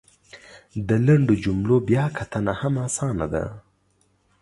د لنډو جملو بیا کتنه هم اسانه ده !